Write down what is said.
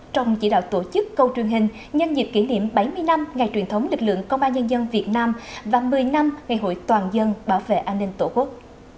trong chỉ đạo tổ chức câu truyền hình nhân dịp kỷ niệm bảy mươi năm ngày truyền thống lực lượng công an nhân dân việt nam và một mươi năm ngày hội toàn dân bảo vệ an ninh tổ quốc